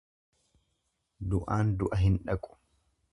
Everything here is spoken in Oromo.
Du'aan du'a hin dhaqu.